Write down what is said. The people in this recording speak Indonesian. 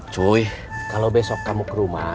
cuy kalau besok kamu ke rumah